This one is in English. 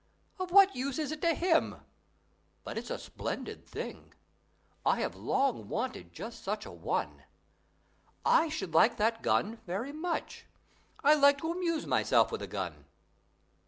Of what use is it to him? But it's a splendid thing. I have long wanted just such a one. I should like that gun very much: I like to amuse myself with a gun.